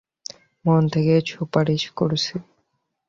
মন থেকে সুপারিশ করছি।